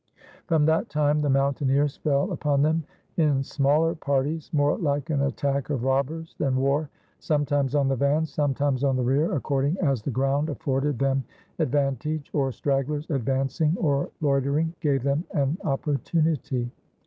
From that time the mountaineers fell upon them in smaller parties, more like an attack of robbers than war, sometimes on the van, sometimes on the rear, according as the ground afforded them advan tage, or stragglers advancing or loitering gave them an opportunity.